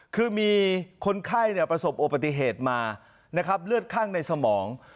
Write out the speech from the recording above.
คือมีคนไข้ประสบโอปติเหตุมานะครับเลือดข้างในสมอง